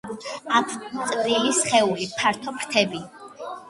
აქვთ წვრილი სხეული, ფართო ფრთები.